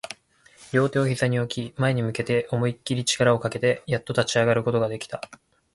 両手を膝に置き、前に向けて思いっきり力をかけて、やっと立ち上がることができた